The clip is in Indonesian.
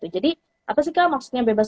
jadi apa sih kak maksudnya bebas